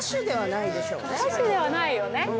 歌手ではないよね